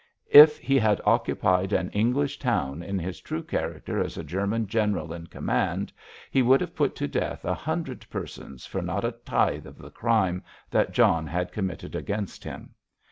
If he had occupied an English town in his true character as a German general in command, he would have put to death a hundred persons for not a tithe of the crime that John had committed against him.